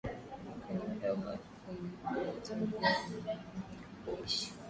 kwenye udongo vinavyohitajiwa na mimea ili kuishi